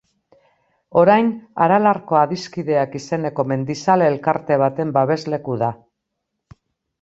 Orain, Aralarko Adiskideak izeneko mendizale elkarte baten babesleku da.